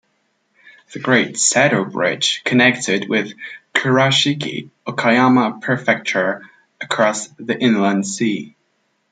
The Great Seto Bridge connects it with Kurashiki, Okayama Prefecture across the Inland Sea.